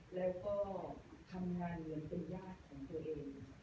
แล้วก็ทำงานเหมือนเป็นญาติของตัวเอง